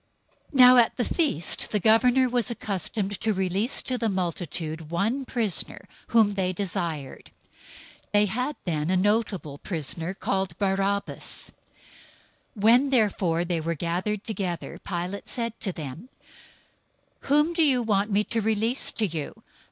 027:015 Now at the feast the governor was accustomed to release to the multitude one prisoner, whom they desired. 027:016 They had then a notable prisoner, called Barabbas. 027:017 When therefore they were gathered together, Pilate said to them, "Whom do you want me to release to you?